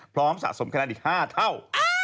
สะสมคะแนนอีก๕เท่า